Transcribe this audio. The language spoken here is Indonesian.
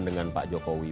dengan pak jokowi